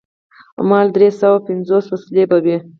ما وویل: دری سوه پنځوس وسلې به وي.